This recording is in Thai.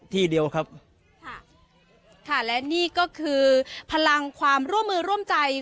ที่เดียวครับค่ะและนี่ก็คือพลังความร่วมมือร่วมใจ